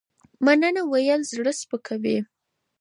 مننه ويل زړه سپکوي